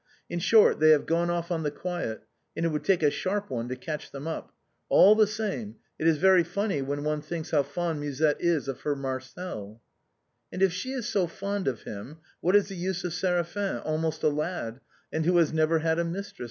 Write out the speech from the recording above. In short, they have gone off on the quiet, and it would take a sharp one to catch them up. All the same, it is very funny when one thinks how fond Musette is of her Marcel." " If she is so fond of him, what is the use of Séraphin, almost a lad, and who has never had a mistress?"